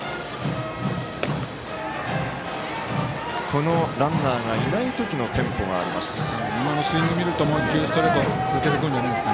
このランナーがいない時のテンポがあります。